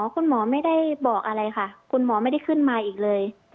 คุณหมอไม่ได้บอกอะไรค่ะคุณหมอไม่ได้ขึ้นมาอีกเลย